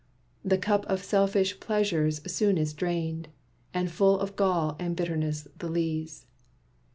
The cup of selfish pleasures soon is drained, And full of gall and bitterness the lees.